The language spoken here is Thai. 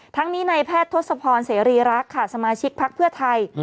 ทั้งนี้ในแพทย์ทศพรเสรีรักษ์ค่ะสมาชิกพักเพื่อไทย